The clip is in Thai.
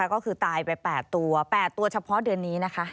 ก็คือตายไป๘ตัว๘ตัวเฉพาะเดือนนี้นะคะ